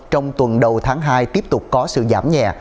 trong tuần đầu tháng hai tiếp tục có sự giảm nhẹ